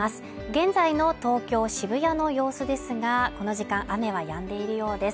現在の東京・渋谷の様子ですが、この時間、雨はやんでいるようです。